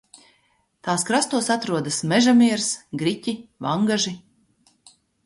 Tās krastos atrodas Meža Miers, Griķi, Vangaži.